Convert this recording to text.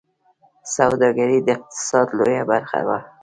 سوداګري د اقتصاد لویه برخه وه